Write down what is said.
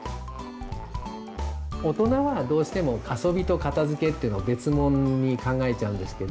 大人はどうしても遊びと片づけっていうのは別もんに考えちゃうんですけど。